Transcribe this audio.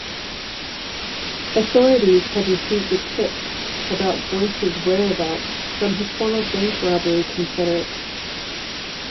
Authorities had received a tip about Boyce's whereabouts from his former bank robbery confederates.